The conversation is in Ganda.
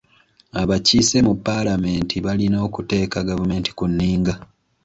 Abakiise mu paalamenti balina okuteeka gavumenti ku nninga.